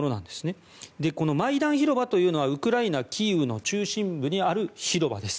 このマイダン広場というのはウクライナ・キーウの中心部にある広場です。